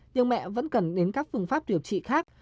nhưng mẹ vẫn cần đến các phương pháp điều trị khác